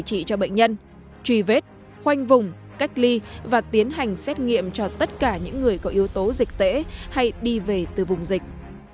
khoanh vùng cách ly và tiến hành xét nghiệm cho tất cả những người có yếu tố dịch tễ hay đi về từ vùng dịch